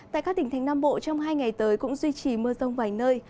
tại các tỉnh thành nam bộ trong hai ngày tới cũng duy trì mưa rông vài nơi